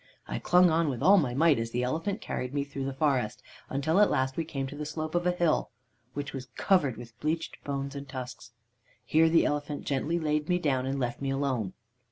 I clung on with all my might, as the elephant carried me through the forest, until at last we came to the slope of a hill, which was covered with bleached bones and tusks. "Here the elephant gently laid me down, and left me alone.